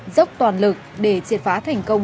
dốc toàn lực để triệt phá thành công